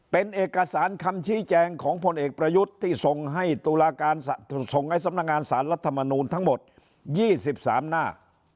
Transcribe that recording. เป็นเอกสารคำชี้แจงของพลเอกประยุทธ์ที่ส่งให้ตุลาการส่งไอ้สำนักงานสารรัฐมนูลทั้งหมด๒๓หน้า